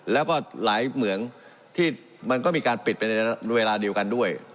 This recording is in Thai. แล้วก็หลายเหมืองที่มันก็มีการปิดไปในเวลาเดียวกันด้วย